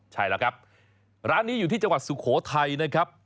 ใช่แล้วครับร้านนี้อยู่ที่จังหวัดสุโขทัยนะครับ